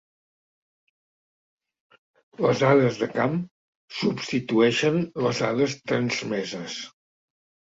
Les dades de camp substitueixen les dades transmeses.